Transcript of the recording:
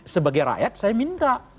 sebagai rakyat saya minta